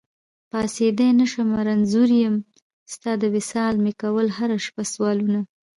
پاڅېدی نشمه رنځور يم، ستا د وصال مي کول هره شپه سوالونه